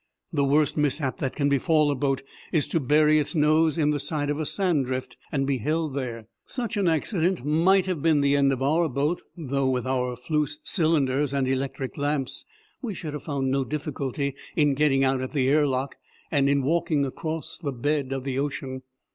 The worst mishap that can befall a boat is to bury its nose in the side of a sand drift and be held there. Such an accident might have been the end of our boat, though with our Fleuss cylinders and electric lamps we should have found no difficulty in getting out at the air lock and in walking ashore across the bed of the ocean.